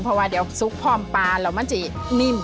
เพราะว่าเดี๋ยวซุกพร้อมพร้อนเราจะนิ่ม